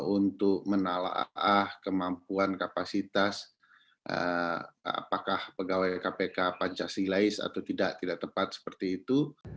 untuk menalaah kemampuan kapasitas apakah pegawai kpk pancasilais atau tidak tidak tepat seperti itu